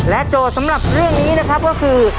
โจทย์สำหรับเรื่องนี้นะครับก็คือ